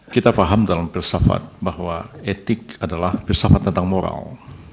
kita paham dalam filsafat bahwa etik adalah filsafat tentang moral